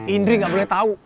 indri gak boleh tau